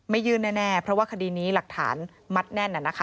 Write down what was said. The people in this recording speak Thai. ยื่นแน่เพราะว่าคดีนี้หลักฐานมัดแน่น